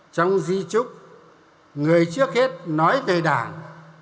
trong di trúc người trước hết nói về đảng